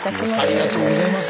ありがとうございます